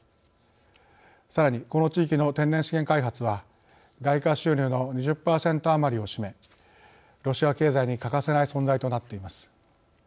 さらにこの地域の天然資源開発は外貨収入の２０％余りを占めロシア経済に欠かせない存在となっています。